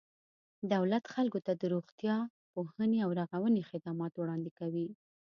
دولت خلکو ته د روغتیا، پوهنې او رغونې خدمات وړاندې کوي.